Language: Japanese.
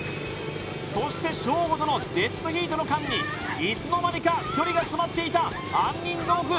そしてショーゴとのデッドヒートの間にいつの間にか距離が詰まっていた杏仁豆腐